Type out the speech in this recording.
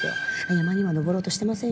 山には登ろうとしてません